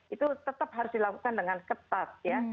itu tetap harus dilakukan dengan ketat ya